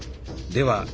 では